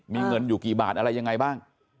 มีเงินอยู่กี่บาทอะไรยังไงบ้าง